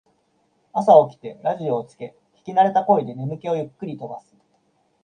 朝起きてラジオをつけ聞きなれた声で眠気をゆっくり飛ばす